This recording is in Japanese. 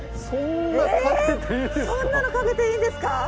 そんな賭けていいんですか？